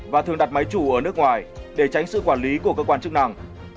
và thường đặt máy chủ ở nước ngoài để tránh sự quản lý của cơ quan chức năng